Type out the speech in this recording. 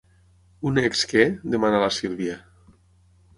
Un ex què? —demana la Sílvia.